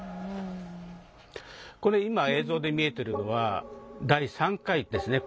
これ今映像で見えてるのは第３回ですね。